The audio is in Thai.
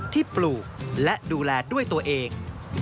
ปลูกและดูแลด้วยตัวเอง